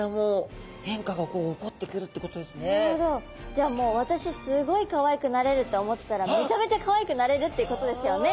じゃあもう私すごいかわいくなれるって思ってたらめちゃめちゃかわいくなれるっていうことですよね。